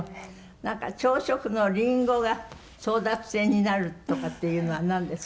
なんか朝食のりんごが争奪戦になるとかっていうのはなんですか？